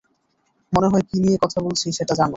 মনে হয় কী নিয়ে কথা বলছি সেটা জানো।